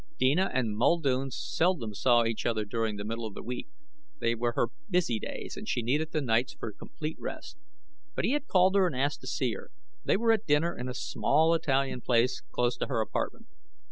Deena and Muldoon seldom saw each other during the middle of the week; they were her busy days and she needed the nights for complete rest. But he had called her and asked to see her. They were at dinner in a small Italian place close to her apartment.